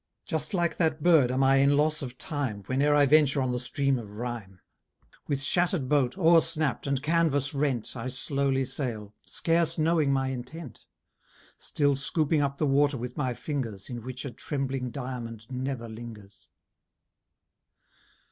Just like that bird am I in loss of time, Whene'er I venture on the stream of rhyme; With shatter'd boat, oar snapt, and canvass rent, I slowly sail, scarce knowing my intent; Still scooping up the water with my fingers, In which a trembling diamond never lingers.